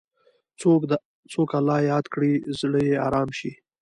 څوک الله یاد کړي، زړه یې ارام شي.